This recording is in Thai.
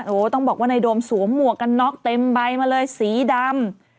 โฮต้องบอกในโดมสวมหมวกกันหน็อกเป็นใบมาเลยสีดำ